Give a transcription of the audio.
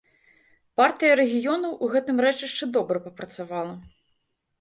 Партыя рэгіёнаў у гэтым рэчышчы добра папрацавала.